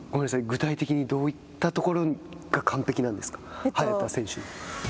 具体的にどういったところが完璧なんですか。